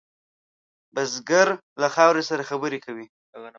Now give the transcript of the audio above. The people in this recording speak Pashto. بزګر له خاورې سره خبرې کوي